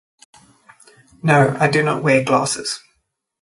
No, I do not wear glasses.